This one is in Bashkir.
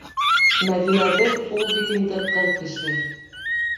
Мәҙинәбеҙ ул бит инде ҡыҙ кеше.